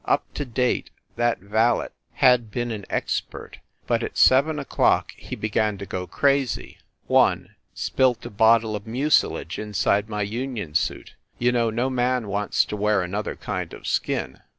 Up to date that valet had been an ex THE LIARS CLUB 89 pert, but at seven o clock he began to go crazy. I. Spilt a bottle of mucilage inside my union suit you know no man wants to wear another kind of skin.